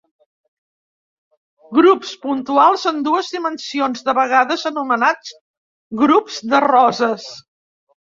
Grups puntuals en dues dimensions, de vegades anomenats grups de roses.